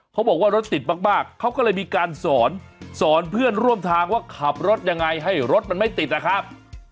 เขาบอกว่ารถติดมากเขาก็เลยมีการสอนสอนเพื่อนร่วมทางว่าขับรถยังไงให้รถมันไม่ติดนะครับ